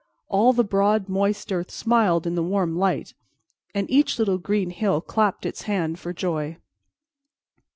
All the broad moist earth smiled in the warm light, and each little green hill clapped its hand for joy.